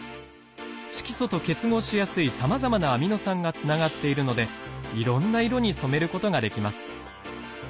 色素と結合しやすいさまざなアミノ酸がつながっているのでいろんな色に染めることができます。